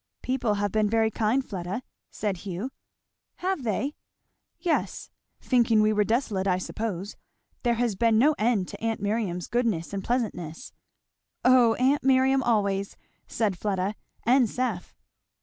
"People have been very kind, Fleda," said Hugh. "Have they?" "Yes thinking we were desolate I suppose. There has been no end to aunt Miriam's goodness and pleasantness." "O aunt Miriam, always!" said Fleda. "And Seth."